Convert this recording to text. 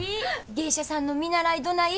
芸者さんの見習いどない？